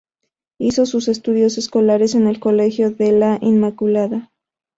Hizo sus estudios escolares en el Colegio de la Inmaculada.